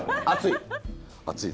熱い？